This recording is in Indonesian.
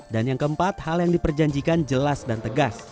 dan yang keempat hal yang diperjanjikan jelas dan tegas